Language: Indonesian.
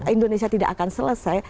indonesia tidak akan selesai